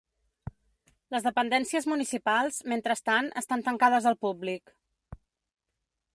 Les dependències municipals, mentrestant, estan tancades al públic.